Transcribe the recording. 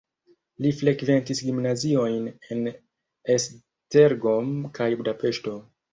Li frekventis gimnaziojn en Esztergom kaj Budapeŝto.